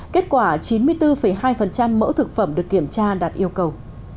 kết quả chín mươi bốn hai mẫu thực phẩm được kiểm tra đạt yêu cầu